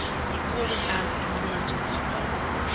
He called it an "emergency bell."